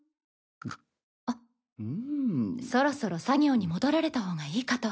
あっそろそろ作業に戻られた方がいいかと。